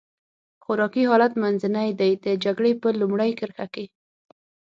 خوراکي حالت منځنی دی، د جګړې په لومړۍ کرښه کې.